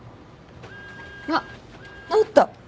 あっ直った。